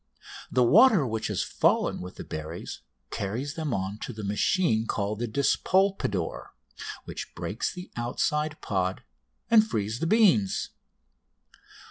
The water which has fallen with the berries carries them on to the machine called the despolpador, which breaks the outside pod and frees the beans.